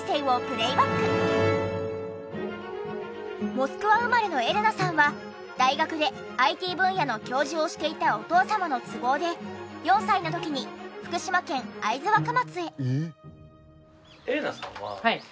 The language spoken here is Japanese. モスクワ生まれのエレナさんは大学でＩＴ分野の教授をしていたお父様の都合で４歳の時に福島県会津若松へ。